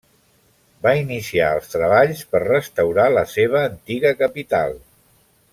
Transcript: Va iniciar els treballs per restaurar la seva antiga capital.